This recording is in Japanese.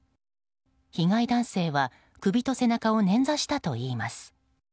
被害男性は、首と背中をねん挫したといいます。